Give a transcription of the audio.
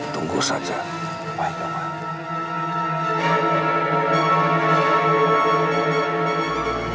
tunggu saja baik baik